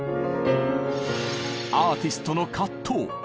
アーティストの藤。